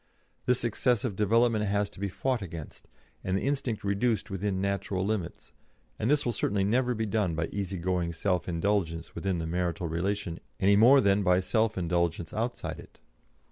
This excessive development has to be fought against, and the instinct reduced within natural limits, and this will certainly never be done by easy going self indulgence within the marital relation any more than by self indulgence outside it.